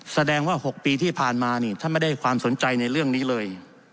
แสดงว่า๖ปีที่ผ่านมานี่ท่านไม่ได้ความสนใจในเรื่องนี้เลย